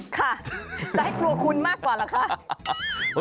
ค่ะจะให้กลัวคุณมากกว่าเหรอคะ